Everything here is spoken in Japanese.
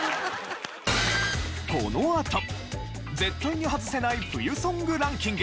このあと絶対にハズせない冬ソングランキング